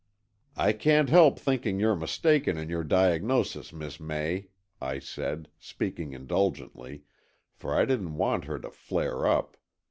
"I can't help thinking you're mistaken in your diagnosis, Miss May," I said, speaking indulgently, for I didn't want her to flare up.